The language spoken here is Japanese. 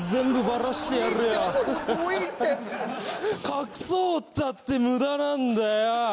隠そうったって無駄なんだよ。